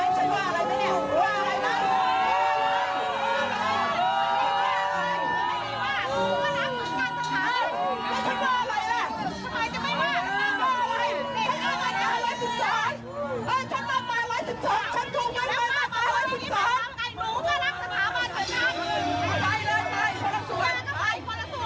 ไปไปไปไป